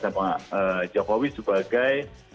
sama jokowi sebagai